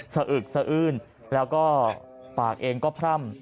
อึกสะอื้นแล้วก็ปากเองก็พร่ำ